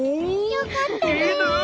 よかったね。